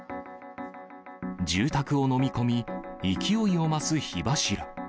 住宅をのみ込み、勢いを増す火柱。